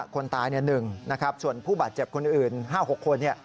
คนตาย๑นะครับส่วนผู้บาดเจ็บคนอื่น๕๖คน